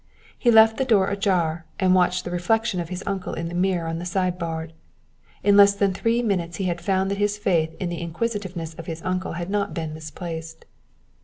He left the door ajar, and watched the reflection of his uncle in the mirror of the sideboard. In less than three minutes he found that his faith in the inquisitiveness of his uncle had not been misplaced.